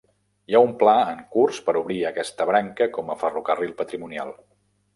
Hi ha un pla en curs per obrir aquesta branca com a ferrocarril patrimonial.